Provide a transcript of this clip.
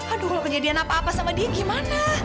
aduh kalau kejadian apa apa sama dia gimana